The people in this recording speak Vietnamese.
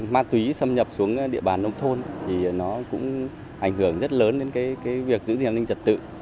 ma túy xâm nhập xuống địa bàn nông thôn thì nó cũng ảnh hưởng rất lớn đến cái việc giữ gìn hành trật tự